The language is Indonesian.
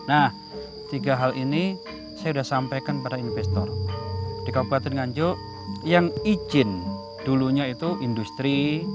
nah tiga hal ini saya sudah sampaikan pada investor di kabupaten nganjuk yang izin dulunya itu industri